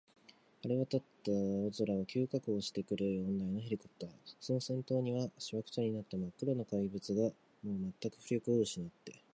晴れわたった青空を、急降下してくる四台のヘリコプター、その先頭には、しわくちゃになったまっ黒な怪物が、もうまったく浮力をうしなって、